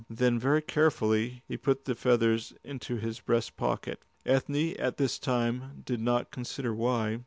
Then very carefully he put the feathers into his breast pocket. Ethne at this time did not consider why.